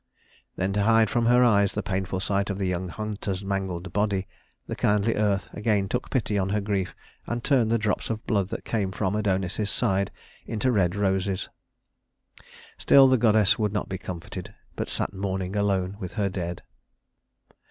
Then to hide from her eyes the painful sight of the young hunter's mangled body, the kindly earth again took pity on her grief and turned the drops of blood that came from Adonis's side into red roses. Still the goddess would not be comforted, but sat mourning alone with her dead.